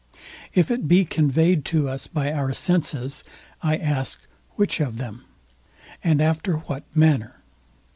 If it be conveyed to us by our senses, I ask, which of them; and after what manner?